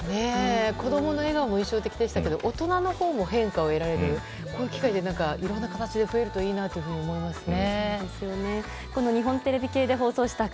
子供の笑顔も印象的でしたが大人も変化が得られるこういう機会が増えるといいなと思いますね。